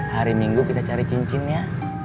hari minggu kita cari cincinnya